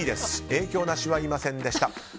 影響なしはいませんでした。